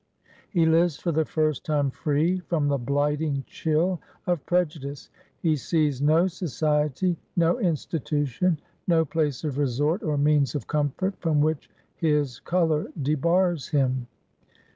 He lives for the first time free from the blighting chill of prejudice. He sees no society, no institution, no place of resort or means of comfort from which his color debars him."